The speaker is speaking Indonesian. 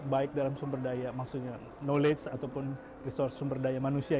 baik dalam sumber daya maksudnya knowledge ataupun resource sumber daya manusia